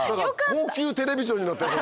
高級テレビジョンになったよ